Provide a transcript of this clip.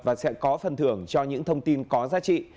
và sẽ có phần thưởng cho những thông tin có giá trị